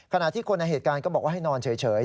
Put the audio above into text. ขณะที่คนในเหตุการณ์ก็บอกว่าให้นอนเฉย